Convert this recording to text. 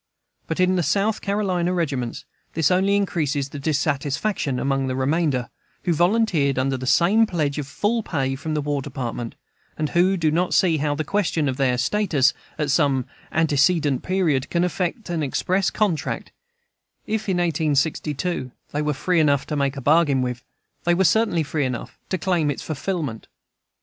But in the South Carolina regiments this only increases the dissatisfaction among the remainder, who volunteered under the same pledge of full pay from the War Department, and who do not see how the question of their status at some antecedent period can affect an express contract If, in 1862, they were free enough to make a bargain with, they were certainly free enough to claim its fulfilment.